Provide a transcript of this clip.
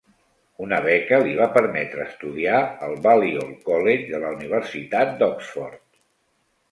Una beca li va permetre estudiar al Balliol College de la Universitat d'Oxford.